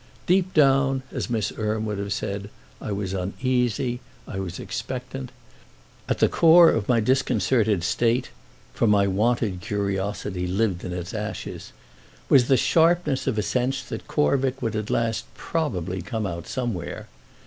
Deep down, as Miss Erme would have said, I was uneasy, I was expectant. At the core of my disconcerted state—for my wonted curiosity lived in its ashes—was the sharpness of a sense that Corvick would at last probably come out somewhere.